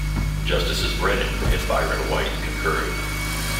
Justices Brennan and Byron White concurred.